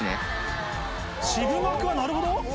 渋幕はなるほど！